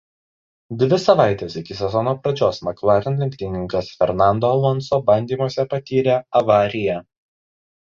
Dvi savaites iki sezono pradžios „McLaren“ lenktynininkas Fernando Alonso bandymuose patyrė avariją.